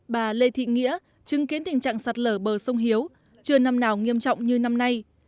bà lê thị nghĩa chứng kiến tình trạng sạt lở bờ sông hiếu chưa năm nào nghiêm trọng như năm nay